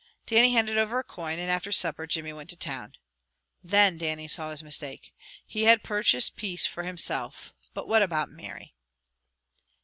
Dannie handed over a coin, and after supper Jimmy went to town. Then Dannie saw his mistake. He had purchased peace for himself, but what about Mary?